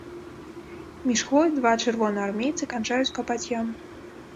Між хвой два чырвонаармейцы канчаюць капаць яму.